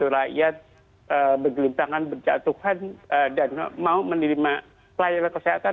rakyat bergelintangan berjatuhan dan mau menerima pelayanan kesehatan